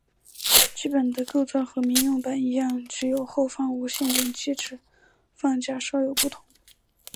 基本的构造和民用版一样只有后方无线电机置放架稍有不同。